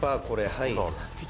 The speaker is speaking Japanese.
はい」